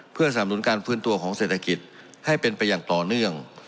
เพื่อสนับสนุนการฟื้นตัวของเศรษฐกิจให้เป็นไปอย่างต่อเนื่อง